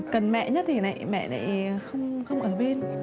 cần mẹ nhất thì mẹ lại không ở bên